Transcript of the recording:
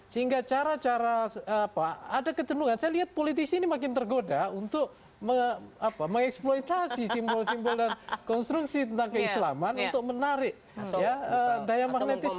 sehingga cara cara apa ada kecendungan saya lihat politisi ini makin tergoda untuk mengeksploitasi simbol simbol dan konstruksi tentang keislaman untuk menarik daya magnetis